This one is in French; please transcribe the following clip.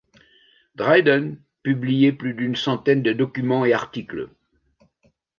Dryden publié plus d'une centaine de documents et articles.